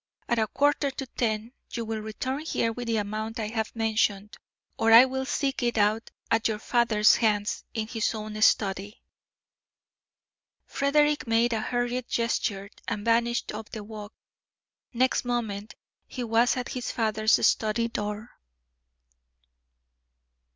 At a quarter to ten, you will return here with the amount I have mentioned, or I will seek it at your father's hands in his own study." Frederick made a hurried gesture and vanished up the walk. Next moment he was at his father's study door.